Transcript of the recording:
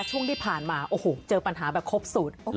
ช่วงที่ผ่านมาโอ้โหเจอปัญหาแบบครบสุด